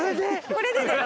これでです